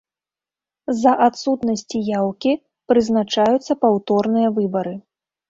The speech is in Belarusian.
З-за адсутнасці яўкі прызначаюцца паўторныя выбары.